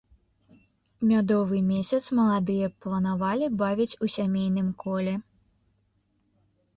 Мядовы месяц маладыя планавалі бавіць у сямейным коле.